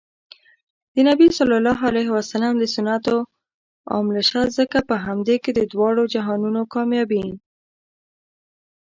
د نبي ص د سنتو عاملشه ځکه په همدې کې د دواړو جهانونو کامیابي